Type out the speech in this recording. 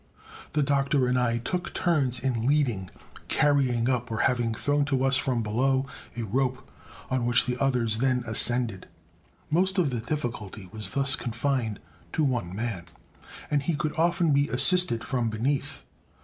The Doctor and I took turns in leading, carrying up or having thrown to us from below a rope, on which the others then ascended. Most of the difficulty was thus confined to one man, and he could often be assisted from beneath.